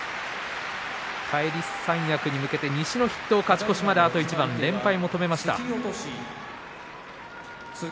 返り三役に向けて西の筆頭勝ち越しまであと一番連敗を止めました。